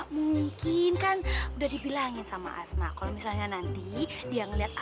mungkin kan udah dibilangin sama asma kalau misalnya nanti dia ngeliat